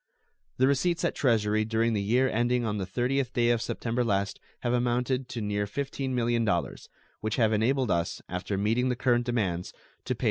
The receipts at the Treasury during the year ending on the 30th day of September last have amounted to near $15 millions, which have enabled us, after meeting the current demands, to pay $2.